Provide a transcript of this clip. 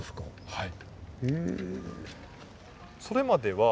はい！